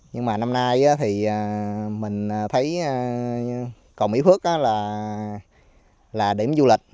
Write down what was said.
nhưng mà năm nay thì mình thấy cầu mỹ phước là điểm du lịch